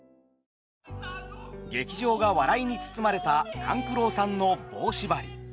劇場が笑いに包まれた勘九郎さんの「棒しばり」。